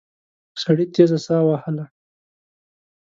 سړي تېزه ساه وهله.